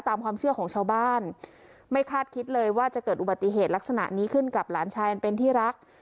ตามความเชื่อของชาวบ้านไม่คาดคิดเลยว่าจะเกิดอุบัติเหตุลักษณะนี้ขึ้นกับหลานชายอันเป็นที่รัก